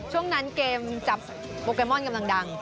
ช่วงนั้นเกมจับโปเกมอนกำลังดัง